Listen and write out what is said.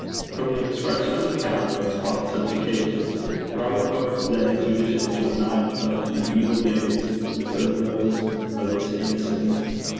From the expression of his countenance upon such occasions, Robert hoped that his visions were not of the evil days, but of those of his innocence.